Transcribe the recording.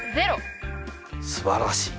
すばらしい。